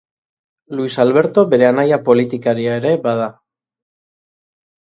Luis Alberto bere anaia politikaria ere bada.